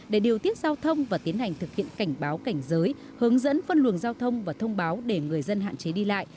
để điều tiết giao thông và tiến hành thực hiện cảnh báo cảnh giới hướng dẫn phân luồng giao thông và thông báo để người dân hạn chế đi lại